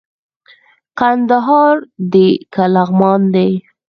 کندهار دئ که لغمان دئ